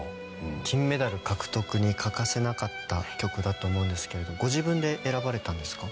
金メダル獲得に欠かせなかった曲だと思うんですけれどご自分で選ばれたんですか？